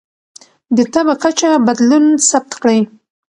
د تبه کچه بدلون ثبت کړئ.